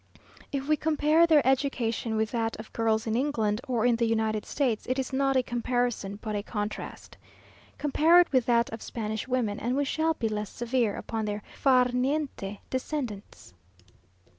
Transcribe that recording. If we compare their education with that of girls in England, or in the United States, it is not a comparison, but a contrast. Compare it with that of Spanish women, and we shall be less severe upon their far niente descendants.